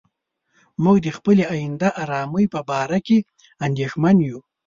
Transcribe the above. موږ د خپلې آینده آرامۍ په باره کې اندېښمن یو.